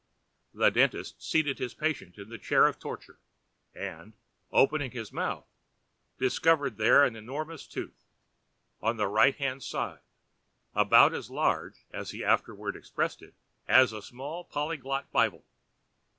The dentist seated his patient in the chair of torture, an[Pg 68]d, opening his mouth, discovered there an enormous tooth, on the right hand side, about as large, as he afterward expressed it, "as a small Polyglot Bible."